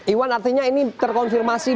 iwan artinya ini terkonfirmasi